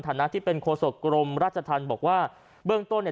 นะที่เป็นโฆษกรมราชธรรมบอกว่าเบื้องต้นเนี่ย